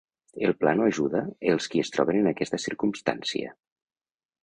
El pla no ajuda els qui es troben en aquesta circumstància.